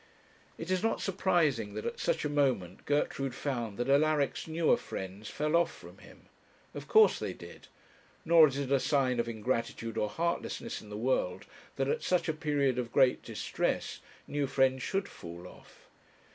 It is not surprising that at such a moment Gertrude found that Alaric's newer friends fell off from him. Of course they did; nor is it a sign of ingratitude or heartlessness in the world that at such a period of great distress new friends should fall off.